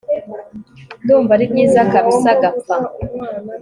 ndumva aribyiza kabsa gapfa